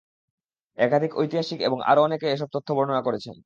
একাধিক ঐতিহাসিক এবং আরও অনেকে এসব তথ্য বর্ণনা করেছেন।